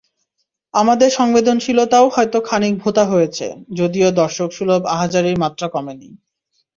আমাদের সংবেদনশীলতাও হয়তো খানিক ভোঁতা হয়েছে, যদিও দর্শকসুলভ আহাজারির মাত্রা কমেনি।